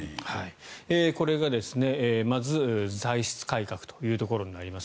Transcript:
これがまず歳出改革ということになります。